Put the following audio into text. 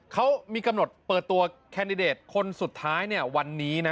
เขามีกำหนดเปิดตัวแคนดิเดตคนสุดท้ายวันนี้นะ